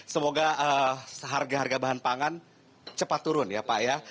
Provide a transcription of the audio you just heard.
semoga harga harga bahan pangan cepat turun ya pak ya